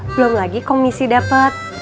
belom lagi komisi dapet